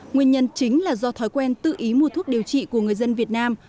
nguyên nhân chính là do thói quen tự ý mua thuốc điều trị của người dân việt nam